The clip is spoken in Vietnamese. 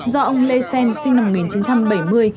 do ông lê xen sinh năm một nghìn chín trăm bảy mươi